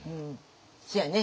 そうやね。